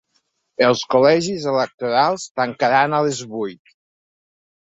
Els col·legis electorals tancaran a les vuit.